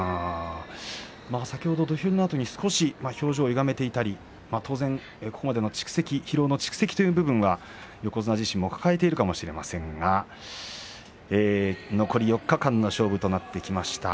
土俵入りのときに表情をゆがめていたり当然、ここまでの疲労の蓄積ということは横綱自身も抱えているかもしれませんけれど残り４日間の勝負となってきました。